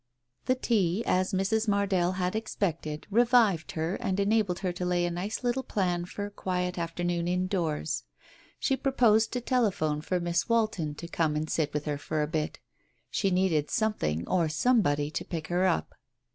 The tea, as Mrs. Mardell had expected, revived her, and enabled her to lay a nice little plan for a quiet after noon indoors. She proposed to telephone for Miss Walton to come and sit with her for a bit. She needed something or somebody to pick her up.